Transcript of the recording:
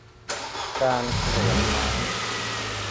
การกรวดน้ำ